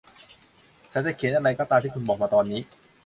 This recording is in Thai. ฉันจะเขียนอะไรก็ตามที่คุณบอกมาตอนนี้